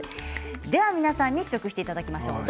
皆さんに試食していただきましょう。